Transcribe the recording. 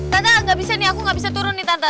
tata gak bisa nih aku gak bisa turun nih tante